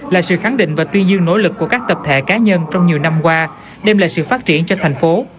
là sự khẳng định và tuyên dương nỗ lực của các tập thể cá nhân trong nhiều năm qua đem lại sự phát triển cho thành phố